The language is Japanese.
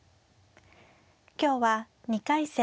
今日は２回戦